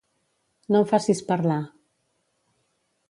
No em facis parlar.